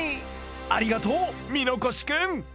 ありがとう箕越くん。